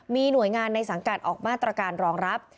มีหน่วยงานในสังกัดออกมาตรการรองรับ